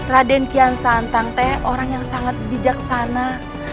raden kian santang teh orang yang sangat bijaksana